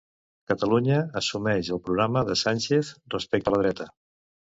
Catalunya assumeix el programa de Sánchez respecte la dreta.